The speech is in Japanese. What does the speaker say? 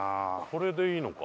これでいいのか？